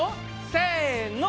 せの！